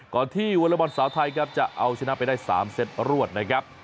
ที่วอเลอร์บอลสาวไทยครับจะเอาชนะไปได้๓เซตรวดนะครับ